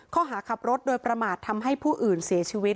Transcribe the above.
ข้อหาขับรถโดยประมาททำให้ผู้อื่นเสียชีวิต